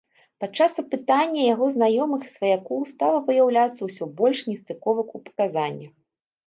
Падчас апытання яго знаёмых і сваякоў стала выяўляцца ўсё больш нестыковак у паказаннях.